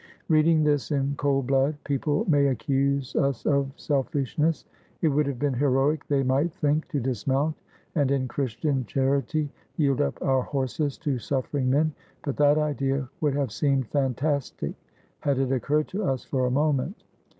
Reading this in cold blood people may accuse us of selfishness. It would have been heroic, they might think, to dismount and, in Christian charity, yield up our horses to suffering men. But that idea would have seemed fantastic had it occurred to us for a moment.